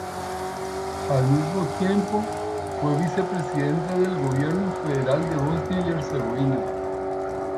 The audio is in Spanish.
Al mismo tiempo, fue Vicepresidente del Gobierno Federal de Bosnia y Herzegovina.